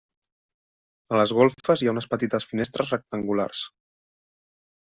A les golfes hi ha unes petites finestres rectangulars.